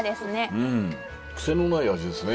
うん癖のない味ですね。